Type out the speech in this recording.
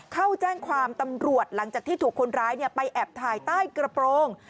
เข้าแจ้งความตำรวจหลังจากที่ถูกคนร้ายไปแอบถ่ายใต้กระโปรง